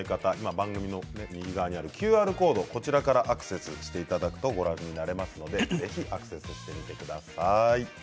番組の右側にあるＱＲコードからアクセスしていただくとご覧になれますのでぜひアクセスしてみてください。